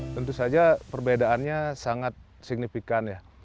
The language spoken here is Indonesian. tentu saja perbedaannya sangat signifikan ya